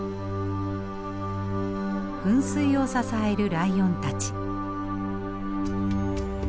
噴水を支えるライオンたち。